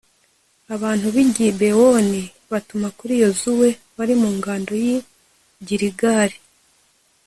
abantu b'i gibewoni batuma kuri yozuwe wari mu ngando y'i giligali